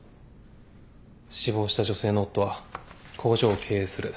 死亡した女性の夫は工場を経営する益野紳祐。